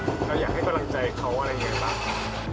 และอยากให้กำลังใจเขาอะไรอย่างนี้หรือเปล่า